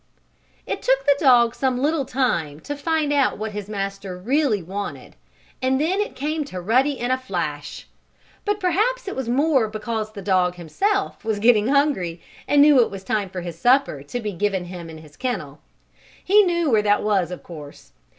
It took the dog some little time to find out what his master really wanted, and then it came to Ruddy in a flash. But perhaps it was more because the dog, himself, was getting hungry, and knew it was time for his supper to be given him in his kennel. He knew where that was, of course.